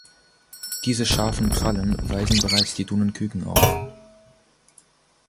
Diese scharfen Krallen weisen bereits die Dunenküken auf.